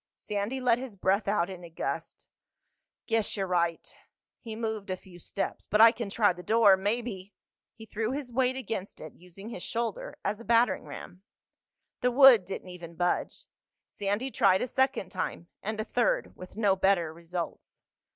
Sandy let his breath out in a gust. "Guess you're right." He moved a few steps. "But I can try the door. Maybe—" He threw his weight against it, using his shoulder as a battering ram. The wood didn't even budge. Sandy tried a second time, and a third, with no better results.